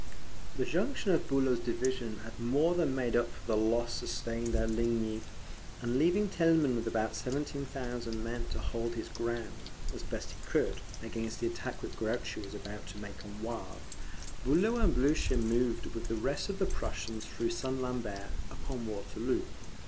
The junction of Bulow's division had more than made up for the loss sustained at Ligny; and leaving Thielman with about seventeen thousand men to hold his ground, as he best could, against the attack which Grouchy was about to make on Wavre, Bulow and Blucher moved with the rest of the Prussians through St. Lambert upon Waterloo.